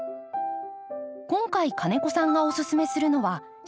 今回金子さんがおすすめするのは四季咲き。